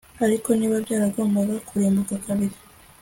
Ariko niba byaragombaga kurimbuka kabiri